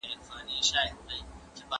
کمپيوټر کارټون جوړوي.